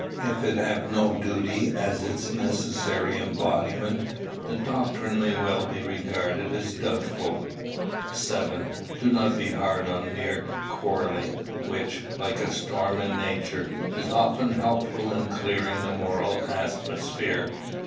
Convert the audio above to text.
If it have no duty as its necessary embodiment, the doctrine may well be regarded as doubtful. 7. Do not be hard on mere quarrelling, which, like a storm in nature, is often helpful in clearing the moral atmosphere.